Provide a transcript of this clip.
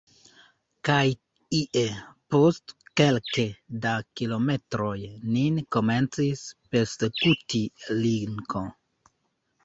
Kaj ie, post kelke da kilometroj, nin komencis persekuti linko.